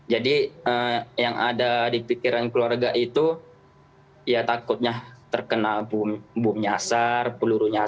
jadi yang ada di pikiran keluarga itu ya takutnya terkena bom nyasar peluru nyasar itu saja yang mereka takutkan mbak